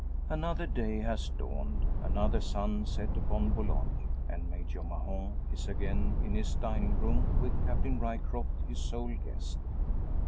Another day has dawned, another sun set upon Boulogne; and Major Mahon is again in his dining room, with Captain Ryecroft, his sole guest.